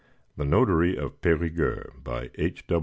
THE NOTARY OF PERIGUEUX By H.